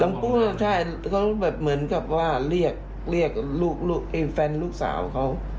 ดำปุ้นใช่เขาแบบเหมือนกับว่าเรียกเรียกลูกลูกไอ้แฟนลูกสาวเขา